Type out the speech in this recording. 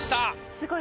すごい。